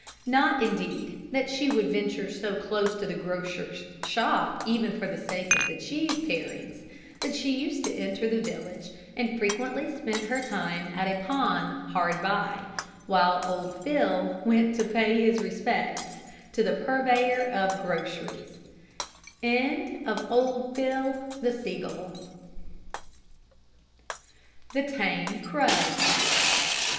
Not, indeed, that she would venture so close to the grocer's shop, even for the sake of the cheese parings; but she used to enter the village, and frequently spent her time at a pond hard by, while Old Phil went to pay his respects to the purveyor of groceries. THE TAME CROW.